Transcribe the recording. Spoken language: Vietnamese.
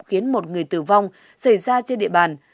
khiến một người tử vong xảy ra trên địa bàn